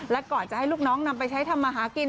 และก่อนจะให้ลูกน้องนำไปใช้ทำมาหากิน